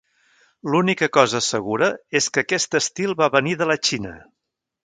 L'única cosa segura és que aquest estil va venir de la Xina.